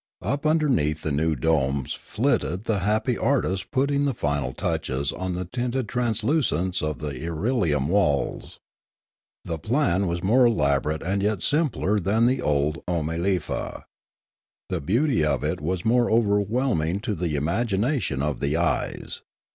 Up under A Catastrophe 161 neath the new domes flitted the happy artists putting the final touches on the tinted translucence of the irelium walls. The plan was more elaborate and yet simpler than the old Oomalefa. The beauty of it was more overwhelming to the imagination of the eyes.